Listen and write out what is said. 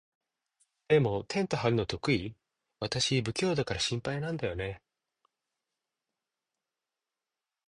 でも、テント張るの得意？私、不器用だから心配なんだよね。